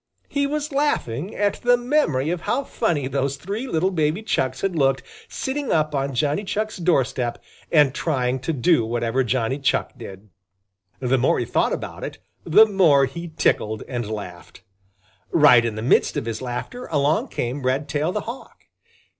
He was laughing at the memory of how funny those three little baby Chucks had looked sitting up on Johnny Chuck's doorstep and trying to do whatever Johnny Chuck did. The more he thought about it, the more he tickled and laughed. Right in the midst of his laughter along came Redtail the Hawk.